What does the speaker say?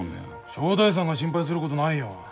正太夫さんが心配することないよ。